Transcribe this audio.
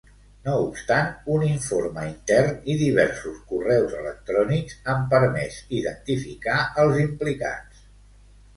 No obstant, un informe intern i diversos correus electrònics han permès identificar els implicats.